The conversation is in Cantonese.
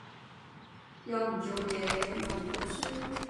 又唔做嘢又唔讀書